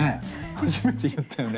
初めて言ったよね？